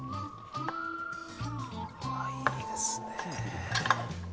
いいですね。